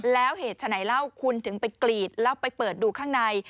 แล้วเหตุฉะไหนเล่าคุณถึงไปกรีดแล้วไปเปิดดูข้างใน